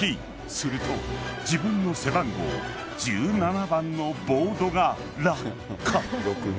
すると、自分の背番号１７番のボードが落下。